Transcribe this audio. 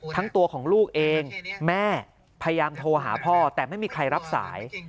ทั้งตัวของลูกเองแม่พยายามโทรหาพ่อแต่ไม่มีใครรับสาย